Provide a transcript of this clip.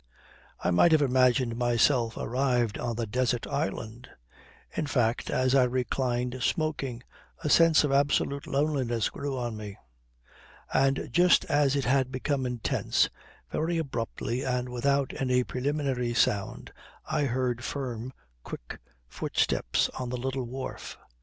I might have imagined myself arrived on a desert island. In fact, as I reclined smoking a sense of absolute loneliness grew on me. And just as it had become intense, very abruptly and without any preliminary sound I heard firm, quick footsteps on the little wharf.